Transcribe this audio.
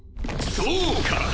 そうか！